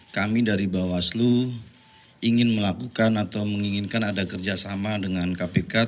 kami dari bawaslu ingin melakukan atau menginginkan ada kerjasama dengan kpk